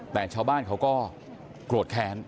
แต่ชาวบ้านเขาก็โกรธแค้น